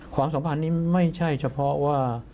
ความสัมพันธ์นี้ไม่ใช่เฉพาะว่า